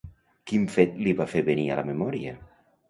Quin fet li va fer venir a la memòria?